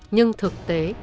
nhưng thực tế